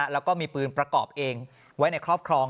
แล้วก็มีปืนประกอบเองไว้ในครอบครอง